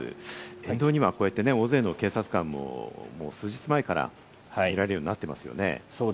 沿道にはこうやって大勢の警察官も数日前から見られるようになっていますね。